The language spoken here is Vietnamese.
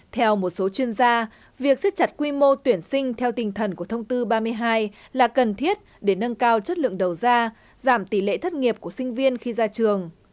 theo một số chuyên gia việc xếp chặt quy mô tuyển sinh theo tinh thần của thông tư ba mươi hai là cần thiết để nâng cao chất lượng đầu ra giảm tỷ lệ thất nghiệp của sinh viên khi ra trường